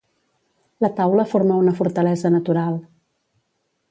La taula forma una fortalesa natural.